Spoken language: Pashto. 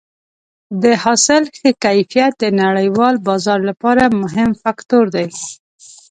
د حاصل ښه کیفیت د نړیوال بازار لپاره مهم فاکتور دی.